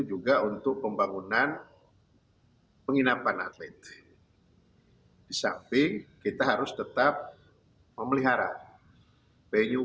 juga untuk pembangunan penginapan atlet di samping kita harus tetap memelihara venue